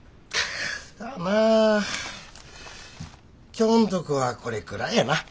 かあまあ今日のとこはこれくらいやな。